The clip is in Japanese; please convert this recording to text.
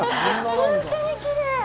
本当にきれい。